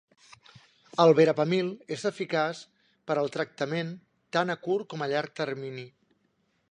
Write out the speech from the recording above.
El Verapamil és eficaç per al tractament tant a curt com a llarg termini.